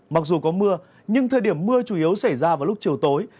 mặc dù có mưa nhưng thời điểm mưa chủ yếu xảy ra vào lúc chiều tối